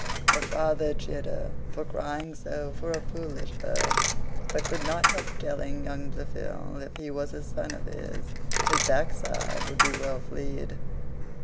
Her father chid her for crying so for a foolish bird; but could not help telling young Blifil, if he was a son of his, his backside should be well flead.